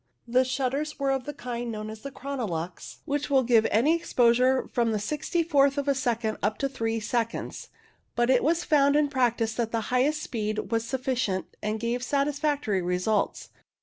The shutters were of the kind known as the " Chronolux," which will give any exposure from the sixty fourth of a second up to three seconds. But it was found in practice that the highest speed was sufficient and gave satisfactory results.